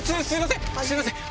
すいません！